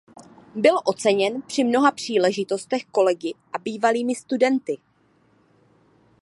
Byl oceněn při mnoha příležitostech kolegy a bývalými studenty.